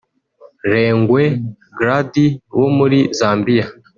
Lengwe Gladys wo muri Zambia